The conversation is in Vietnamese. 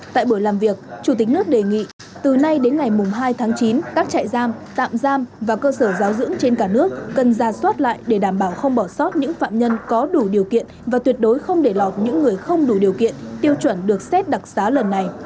tại buổi làm việc chủ tịch nước đề nghị từ nay đến ngày hai tháng chín các trại giam tạm giam và cơ sở giáo dưỡng trên cả nước cần ra soát lại để đảm bảo không bỏ sót những phạm nhân có đủ điều kiện và tuyệt đối không để lọt những người không đủ điều kiện tiêu chuẩn được xét đặc xá lần này